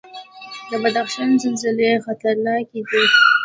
د بدخشان زلزلې خطرناکې دي